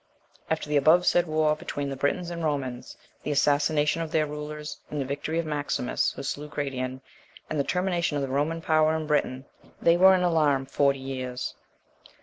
After the above said war between the Britons and Romans, the assassination of their rulers, and the victory of Maximus, who slew Gratian, and the termination of the Roman power in Britain, they were in alarm forty years.